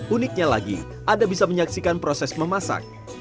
uniknya lagi anda bisa menyaksikan proses memasak